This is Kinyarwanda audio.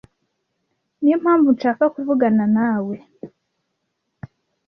Niyo mpamvu nshaka kuvuganawe nawe .